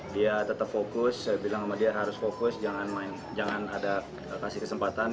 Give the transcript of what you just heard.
dia tetap fokus saya bilang sama dia harus fokus jangan ada kasih kesempatan